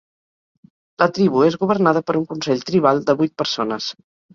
La tribu és governada per un consell tribal de vuit persones.